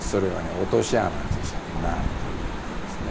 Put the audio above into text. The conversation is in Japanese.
落とし穴になるということですね。